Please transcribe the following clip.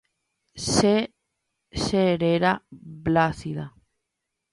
Che cheréra Blásida.